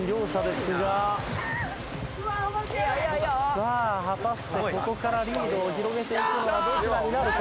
さあ果たしてここからリードを広げていくのはどちらになるか？